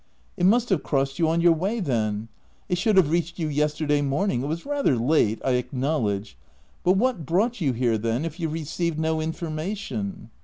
' u It must have crossed you on your way then — it should have reached you yesterday morn ing — it was rather late, I acknowledge. But what brought you here then, if you received no information